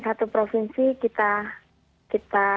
satu provinsi kita